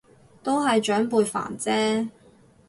都係長輩煩啫